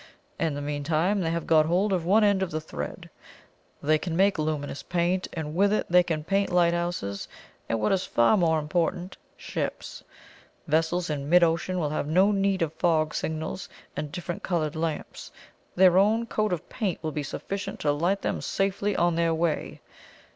In the meantime they have got hold of one end of the thread; they can make luminous paint, and with it they can paint light houses, and, what is far more important ships. Vessels in mid ocean will have no more need of fog signals and different coloured lamps; their own coat of paint will be sufficient to light them safely on their way.